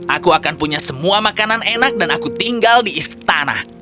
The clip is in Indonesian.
aku akan punya semua makanan enak dan aku tinggal di istana